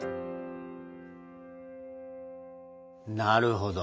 なるほど。